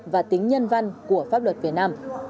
và tính nhân văn của pháp luật việt nam